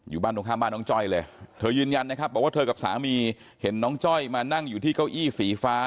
อยู่บ้านตรงข้ามบ้านน้องจ้อยเลยเธอยืนยันนะครับบอกว่าเธอกับสามีเห็นน้องจ้อยมานั่งอยู่ที่เก้าอี้สีฟ้า